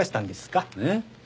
えっ？